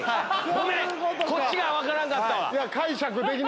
ごめんこっちが分からんかったわ。